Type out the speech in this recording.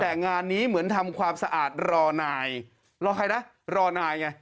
แต่งานนี้เหมือนทำความสะอาดรอนายรอใครนะรอนายไง